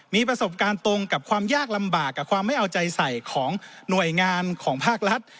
มีประสบการณ์ตรงกับความยากลำบากกับความไม่เอาใจใส่ของหน่วยงานของภาครัฐ